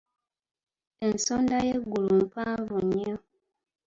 Ensonda y’eggulu mpanvu nnyo.